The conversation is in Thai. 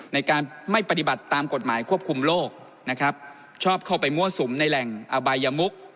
ในการไม่ปฏิบัติตามกฎหมายควบคุมโลกนะครับชอบเข้าไปมั่วสุมในแหล่งอบายมุก